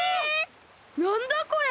なんだこれ？